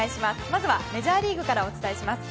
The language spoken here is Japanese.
まずはメジャーリーグからお伝えします。